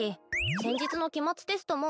先日の期末テストも